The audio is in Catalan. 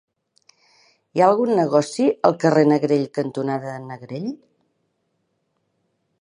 Hi ha algun negoci al carrer Negrell cantonada Negrell?